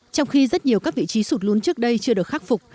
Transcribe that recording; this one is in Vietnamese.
trong khi rất nhiều các vị trí sụt lún trước đây chưa được khắc phục